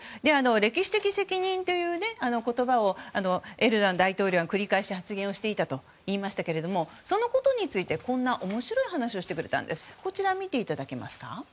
歴史的責任という言葉をエルドアン大統領が繰り返し発言していたと言いましたけどそのことについてこんな面白い話をしてくれたんです。